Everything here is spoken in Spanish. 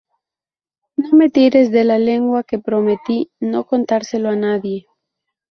No me tires de la lengua que prometí no contárselo a nadie